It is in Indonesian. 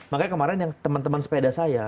makanya kemarin yang teman teman sepeda saya